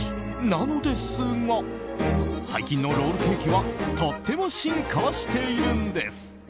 なのですが最近のロールケーキはとっても進化しているんです。